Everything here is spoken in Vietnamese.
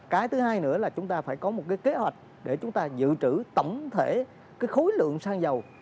cái thứ hai nữa là chúng ta phải có một cái kế hoạch để chúng ta dự trữ tổng thể cái khối lượng xăng dầu